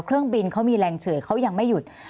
เครื่องบินเขามีแรงเฉยเขายังไม่หยุด